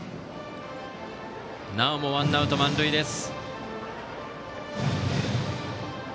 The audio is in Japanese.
なおもワンアウト満塁です。